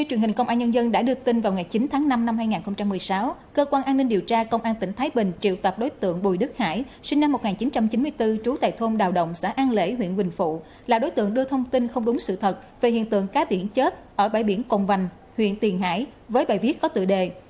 cơ quan an ninh điều tra công an tỉnh thái bình triệu tạp đối tượng bùi đức hải sinh năm một nghìn chín trăm chín mươi bốn trú tại thôn đào động xã an lễ huyện quỳnh phụ là đối tượng đưa thông tin không đúng sự thật về hiện tượng cá biển chết ở bãi biển cồn vành huyện tiền hải với bài viết có tựa đề